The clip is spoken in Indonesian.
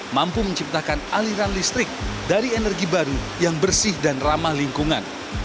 mampu menciptakan aliran listrik dari energi baru yang bersih dan ramah lingkungan